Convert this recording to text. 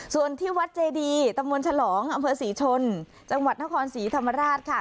ส่วนที่วัดเจดีตำบลฉลองอำเภอศรีชนจังหวัดนครศรีธรรมราชค่ะ